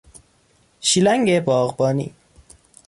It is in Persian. شیلنگ باغبانی